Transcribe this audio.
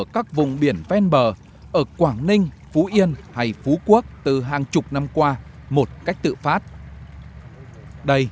các vùng biển ven bờ ở quảng ninh phú yên hay phú quốc từ hàng chục năm qua một cách tự phát đây